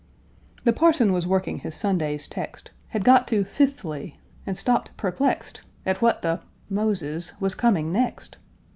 The parson was working his Sunday's text, Had got to fifthly, and stopped perplexed At what the Moses was coming next.